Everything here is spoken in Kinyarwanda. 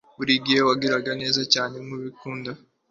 buri gihe wagiraga neza cyane nkabikunda